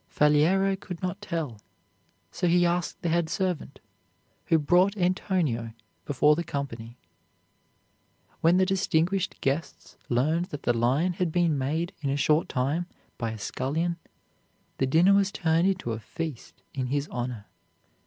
Faliero could not tell; so he asked the head servant, who brought Antonio before the company. When the distinguished guests learned that the lion had been made in a short time by a scullion, the dinner was turned into a feast in his honor.